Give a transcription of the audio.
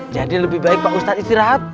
jadi lebih baik pak ustadz istirahat